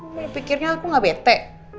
mulai pikirnya aku gak bete